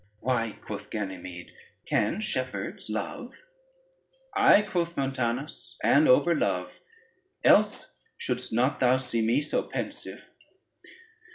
"Why," quoth Ganymede, "can shepherds love?" "Aye," quoth Montanus, "and overlove, else shouldst not thou see me so pensive.